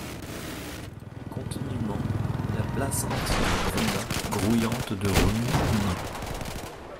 Continûment, la place entière gronda, grouillante de remous humains.